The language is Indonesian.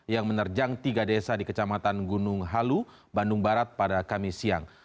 yang menerjang tiga desa di kecamatan gunung halu bandung barat pada kamis siang